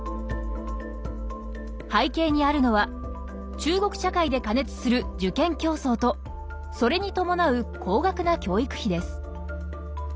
背景にあるのは中国社会で過熱する受験競争とそれに伴う高額な教育費です。